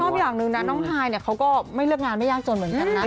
แต่ชอบอย่างนึงนะน้องหายเนี่ยเขาก็ไม่เลือกงานไม่ยากจนเหมือนกันนะ